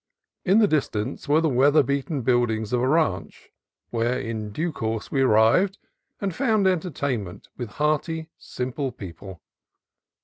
In the distance were the weather beaten buildings of a ranch, where in due course we arrived, and found entertainment with hearty, simple people.